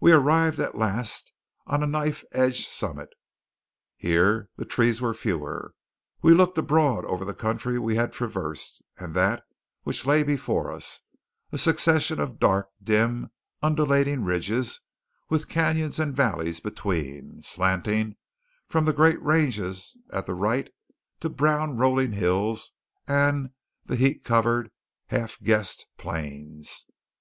We arrived at last on a knife edge summit. Here the trees were fewer. We looked abroad over the country we had traversed, and that which lay before us a succession of dark, dim, undulating ridges with cañons and valleys between, slanting from the great ranges at the right to brown rolling hills and the heat covered, half guessed plains.